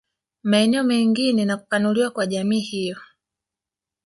Maeneo mengine na kupanuliwa kwa jamii hiyo